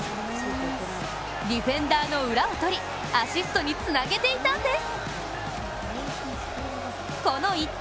ディフェンダーの裏をとりアシストにつなげていたんです。